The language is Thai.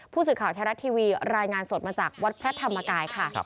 ผู้สื่อข่าวไทยรัฐทีวีรายงานสดมาจากวัดพระธรรมกายค่ะ